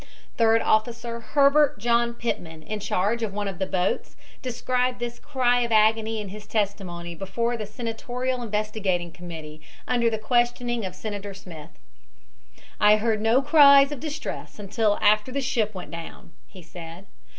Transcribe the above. Third Officer Herbert John Pitman, in charge of one of the boats, described this cry of agony in his testimony before the Senatorial Investigating Committee, under the questioning of Senator Smith: "I heard no cries of distress until after the ship went down," he said.